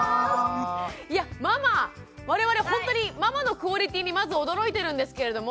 いやママ我々ほんとにママのクオリティーにまず驚いてるんですけれども。